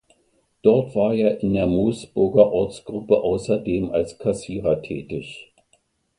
Dort war er in der Moosburger Ortsgruppe außerdem als Kassierer tätig.